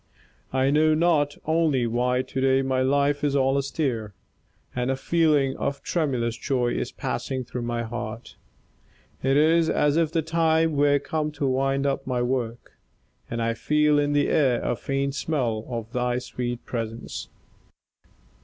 I know not only why today my life is all astir, and a feeling of tremulous joy is passing through my heart. It is as if the time were come to wind up my work, and I feel in the air a faint smell of thy sweet presence.